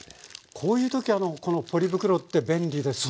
こういう時このポリ袋って便利ですね。